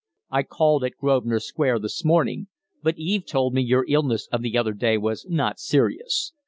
I called at Grosvenor Square this morning, but Eve told me your illness of the other day was not serious.